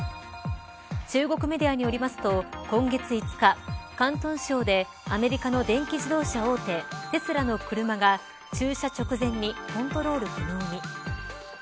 中国メディアによりますと今月５日広東省でアメリカの電気自動車大手テスラの車が駐車直前にコントロール不能に。